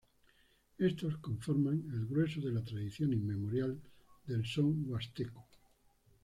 Éstos conforman el grueso de la tradición inmemorial del son huasteco.